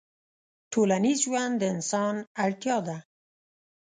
ټولنيز ژوند د انسان اړتيا ده